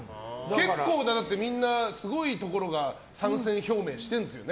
結構みんなすごいところが参戦表明してるんですよね。